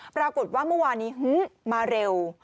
ปรากฏว่าเมื่อวานนี้มาเร็ว